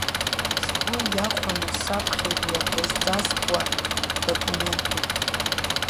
Сгәы иахәаны саԥхьеит, уи акрызҵазкуа документуп.